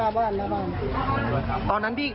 หน้าบ้านหน้าบ้าน